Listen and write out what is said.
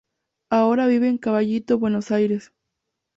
Ahora vive en Caballito, Buenos Aires.